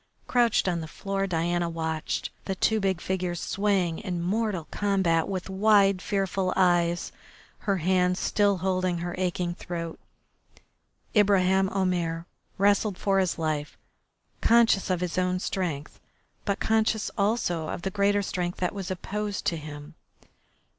Crouched on the floor Diana watched the two big figures swaying in mortal combat with wide, fearful eyes, her hands still holding her aching throat. Ibraheim Omair wrestled for his life, conscious of his own strength, but conscious also of the greater strength that was opposed to him.